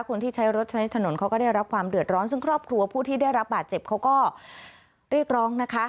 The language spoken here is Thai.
คนที่ใช้รถใช้ถนนเขาก็ได้รับความเดือดร้อนซึ่งครอบครัวผู้ที่ได้รับบาดเจ็บเขาก็เรียกร้องนะคะ